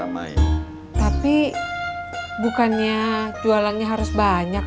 bapak kenapa pak